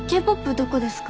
どこですか？